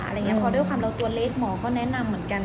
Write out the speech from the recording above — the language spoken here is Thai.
เพราะด้วยความเราตัวเล็กหมอก็แนะนำเหมือนกัน